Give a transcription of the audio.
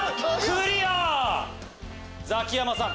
ザキヤマさん！